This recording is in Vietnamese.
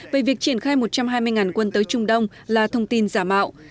về việc triển khai một trăm hai mươi quân tới trung đông là thông tin giả mạo